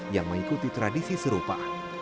yang mengikuti tradisi serupa